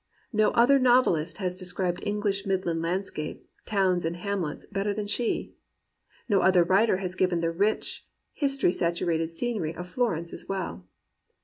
No other novelist has described English midland landscape, towns, and hamlets, better than she. No other writer has given the rich, history saturated scenery of Florence as well.